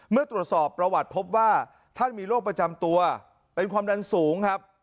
เมื่อตรวจสอบประวัติพบว่าท่านมีโรคประจำตัวเป็นความดันสูงครับ